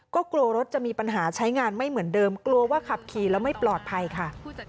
ก็กลัวรถจะมีปัญหาใช้งานไม่เหมือนเดิมกลัวว่าขับขี่แล้วไม่ปลอดภัยค่ะ